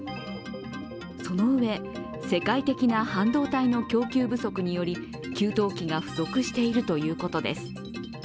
その上、世界的な半導体の供給不足により給湯器が不足しているということです。